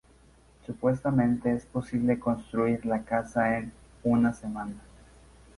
Supuestamente es posible construir la casa en "una semana".